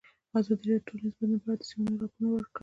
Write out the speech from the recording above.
ازادي راډیو د ټولنیز بدلون په اړه د سیمینارونو راپورونه ورکړي.